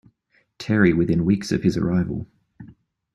Terry within weeks of his arrival.